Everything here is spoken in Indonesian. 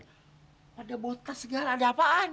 eh ada botol segala ada apaan